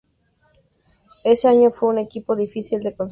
Ese año fue un equipo difícil de conseguir en sus pies.